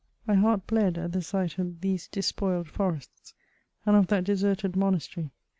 My heart bled at the sight of these despoiled forests, and of that deserted monastery.